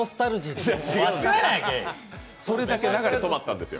それだけ流れ止まったんですよ。